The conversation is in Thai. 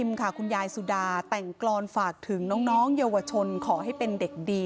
ค่ะคุณยายสุดาแต่งกรอนฝากถึงน้องเยาวชนขอให้เป็นเด็กดี